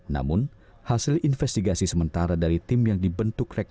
namun hasil investigasi sementara dari tim yang dibentuk